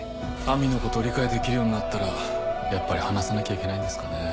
亜美のことを理解できるようになったらやっぱり話さなきゃいけないんですかね。